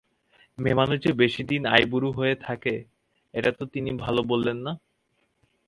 মেয়েমানুষ যে বেশিদিন আইবুড়ো হয়ে থাকে এটা তো তিনি ভালো বলেন না।